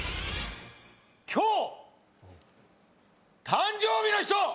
今日誕生日の人！